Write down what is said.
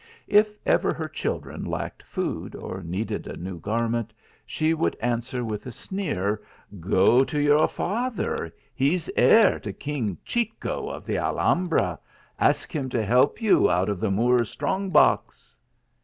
If ever her children lacked food, or needed a new garment, she would answer with a sneer, " Go to your father ; he s heir to king Chico of the Alham bra. Ask him to help you out of the Moor s strong box."